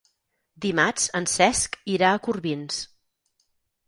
Dimarts en Cesc irà a Corbins.